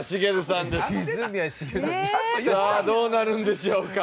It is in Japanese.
さあどうなるんでしょうか？